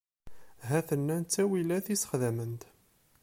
Ha-ten-an ttawilat i sexdament.